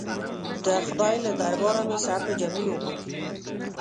د خدای له درباره مې صبر جمیل وغوښت.